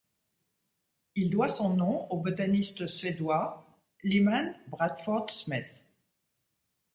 Il doit son nom au botaniste suédois Lyman Bradford Smith.